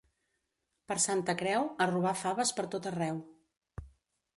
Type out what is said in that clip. Per Santa Creu, a robar faves per tot arreu.